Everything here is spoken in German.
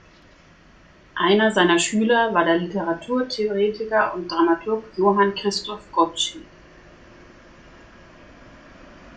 Einer seiner Schüler war der Literaturtheoretiker und Dramaturg Johann Christoph Gottsched.